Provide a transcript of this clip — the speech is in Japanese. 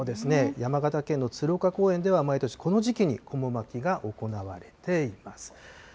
山形県の鶴岡公園では、毎年、この時期にこも巻きが行われています。